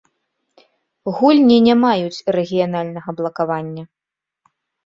Гульні не маюць рэгіянальнага блакавання.